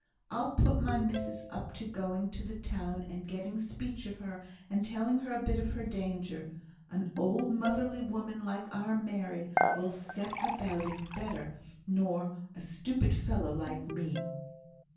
I'll put my missis up to going to the town and getting speech of her, and telling her a bit of her danger. An old motherly woman like our Mary will set about it better nor a stupid fellow like me."